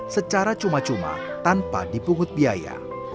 secara cuma cuma tanpa dipungut biaya